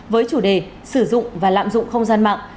với chủ đề sử dụng và lạm dụng không gian mạng